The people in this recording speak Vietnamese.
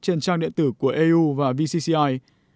trên trang điện tử của eu và vcci